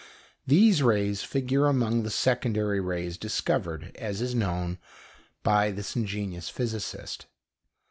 These rays figure among the secondary rays discovered, as is known, by this ingenious physicist.